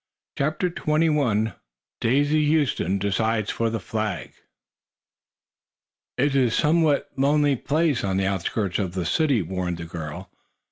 CHAPTER XXI DAISY HUSTON DECIDES FOR THE FLAG "It is a somewhat lonely place, on the outskirts of the city," warned the girl.